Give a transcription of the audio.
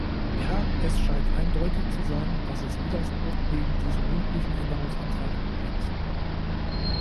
Ja, es scheint eindeutig zu sein, dass es Widerspruch gegen diesen mündlichen Änderungsantrag gibt.